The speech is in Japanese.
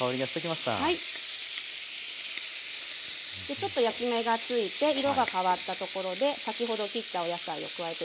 ちょっと焼き目が付いて色が変わったところで先ほど切ったお野菜を加えていきます。